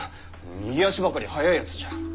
逃げ足ばかり速いやつじゃ。